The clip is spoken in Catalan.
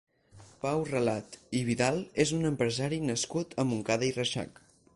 Pau Relat i Vidal és un empresari nascut a Montcada i Reixac.